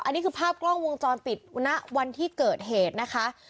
อันนี้คือภาพกล้องวงจรปิดณวันที่เกิดเหตุนะคะ